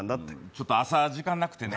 ちょっと朝時間なくてね。